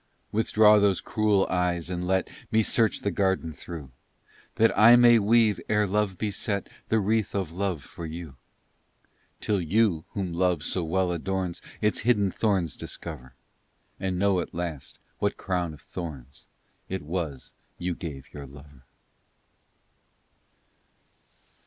Withdraw those cruel eyes, and let Me search the garden through That I may weave, ere Love be set, The wreath of Love for you; Till you, whom Love so well adorns, Its hidden thorns discover, And know at last what crown of thorns It was you gave your lover.